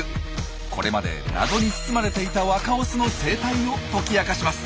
これまで謎に包まれていた若オスの生態を解き明かします。